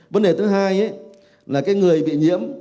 vấn đề thứ hai là cái người bị nhiễm